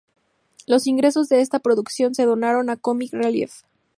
Los ingresos de esta producción se donaron a Comic Relief.